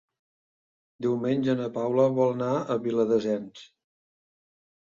Diumenge na Paula vol anar a Viladasens.